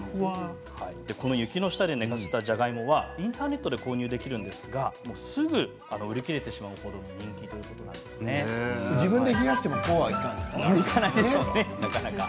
雪の下で寝かせたじゃがいもはインターネットで購入できるんですがすぐ売り切れてしまう程の自分で冷やしてもこうはいかないでしょうね。